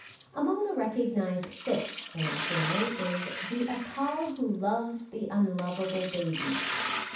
Among the recognised "fits" in our family is "the Accal who loves the unlovable babies."